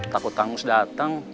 takut kamu sedateng